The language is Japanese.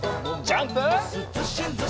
ジャンプ！